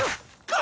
か